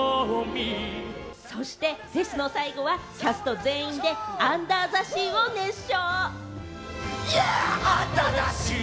そしてフェスの最後はキャスト全員で『アンダー・ザ・シー』を熱唱。